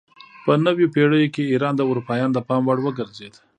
په نویو پیړیو کې ایران د اروپایانو د پام وړ وګرځید.